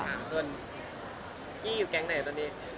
ส่วนพี่อยู่แก๊งไหนตอนนี้